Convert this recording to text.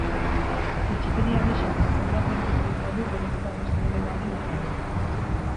Bitxikeria gisa, izendapen bikoitza du berezko abesti onenaren atalean.